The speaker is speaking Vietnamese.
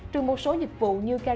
trừ một số dịch vụ như carat